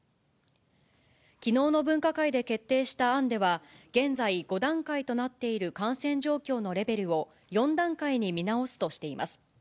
きのうの分科会で決定した案では、現在５段階となっている感染状況のレベルを、４段階に見直すとしています。